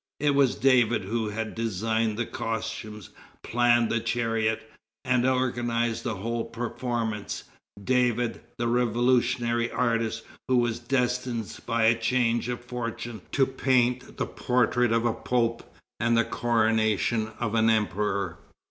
It was David who had designed the costumes, planned the chariot, and organized the whole performance, David, the revolutionary artist who was destined by a change of fortune to paint the portrait of a Pope and the coronation of an Emperor.